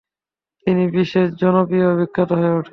তিনি বিশেষ জনপ্রিয় ও বিখ্যাত হয়ে উঠেন।